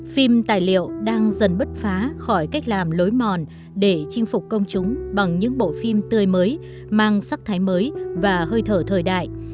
phim tài liệu đang dần bứt phá khỏi cách làm lối mòn để chinh phục công chúng bằng những bộ phim tươi mới mang sắc thái mới và hơi thở thời đại